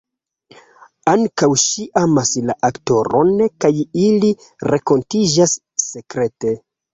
Ankaŭ ŝi amas la aktoron kaj ili renkontiĝas sekrete.